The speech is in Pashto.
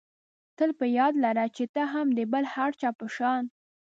تل په یاد لره چې ته هم د بل هر چا په شان.